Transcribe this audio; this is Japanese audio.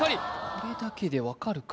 これだけで分かるか？